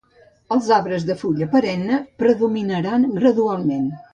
Els arbres de fulla perenne predominaran gradualment.